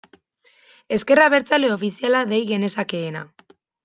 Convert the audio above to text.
Ezker Abertzale ofiziala dei genezakeena.